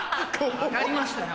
分かりましたよ。